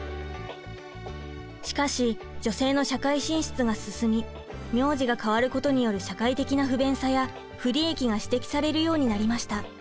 しかし女性の社会進出が進み名字が変わることによる社会的な不便さや不利益が指摘されるようになりました。